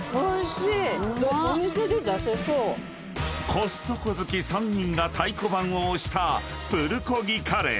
［コストコ好き３人が太鼓判を押したプルコギカレー］